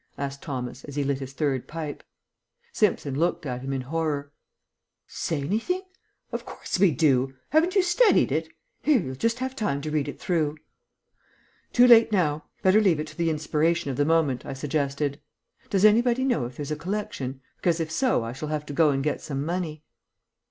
asked Thomas, as he lit his third pipe. Simpson looked at him in horror. "Say anything? Of course we do! Haven't you studied it? Here, you'll just have time to read it through." "Too late now. Better leave it to the inspiration of the moment," I suggested. "Does anybody know if there's a collection, because if so I shall have to go and get some money."